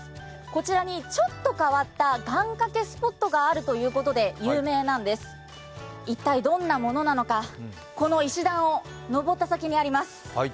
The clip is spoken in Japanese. こちらにちょっと変わった願かけスポットがあるということで一体どんなものなのか、石段を登った先にあります。